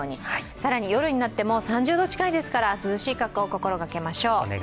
更に夜になっても３０度近いですから、涼しい格好を心がけましょう。